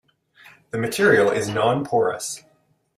The material is non-porous.